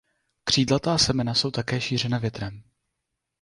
Křídlatá semena jsou také šířena větrem.